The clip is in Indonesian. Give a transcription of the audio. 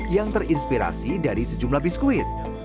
yang terinspirasi dari sejumlah biskuit